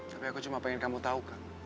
tapi aku cuma pengen kamu tahu kak